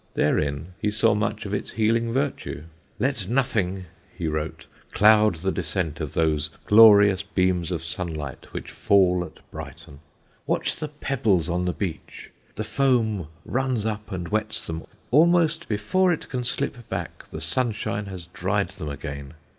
Therein he saw much of its healing virtue. "Let nothing," he wrote, "cloud the descent of those glorious beams of sunlight which fall at Brighton. Watch the pebbles on the beach; the foam runs up and wets them, almost before it can slip back, the sunshine has dried them again.